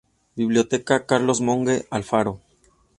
Biblioteca Carlos Monge Alfaro.